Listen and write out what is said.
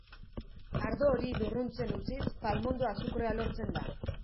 Ardo hori lurruntzen utziz palmondo-azukrea lortzen da.